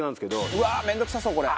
うわあ面倒くさそうこれ。